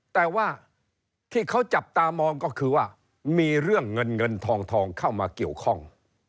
แต่ว่าที่เขาจับตามองก็คือว่ามีเรื่องเงินเงินทองเข้ามาเกี่ยวข้อง